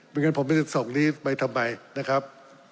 งั้นผมไม่ได้ส่งนี้ไปทำไมนะครับ